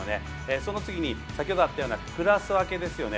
その次に先ほどあったようなクラス分けですよね。